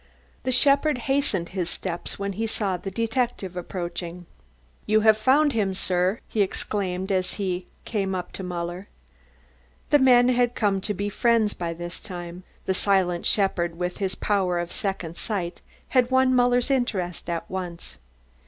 The shepherd hastened his steps when he saw the detective approaching. "You have found him, sir?" he exclaimed as he came up to Muller. The men had come to be friends by this time. The silent shepherd with the power of second sight had won Muller's interest at once.